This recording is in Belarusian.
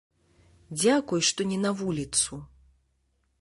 Дзякуй, што не на вуліцу.